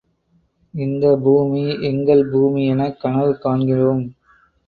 இந்த பூமி எங்கள் பூமி எனக் கனவு காண்கிறோம்.